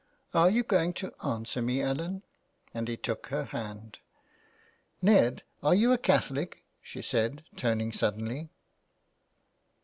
'' Are you going to answer me, Ellen," and he took her hand. '' Ned, are you a Catholic ?" she said, turning sud denly.